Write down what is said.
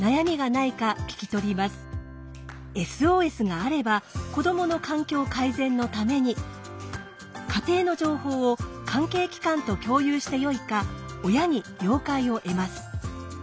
ＳＯＳがあれば子どもの環境改善のために家庭の情報を関係機関と共有してよいか親に了解を得ます。